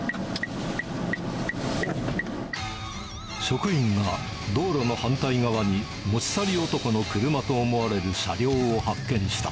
職員が道路の反対側に持ち去り男の車と思われる車両を発見した。